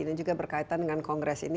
ini juga berkaitan dengan kongres ini